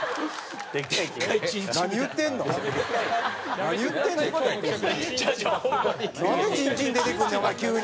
なんで「チンチン」出てくんねんお前急に。